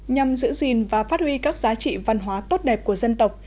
nhằm giữ gìn và phát huy các giá trị văn hóa tốt đẹp của dân tộc